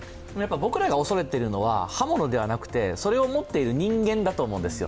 僕らが恐れているのは、刃物ではなくてそれを持っている人間だと思うんですよ。